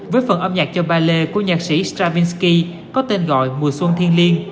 với phần âm nhạc cho ballet của nhạc sĩ stravinsky có tên gọi mùa xuân thiên liên